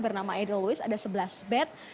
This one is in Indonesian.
bernama edelweiss ada sebelas bed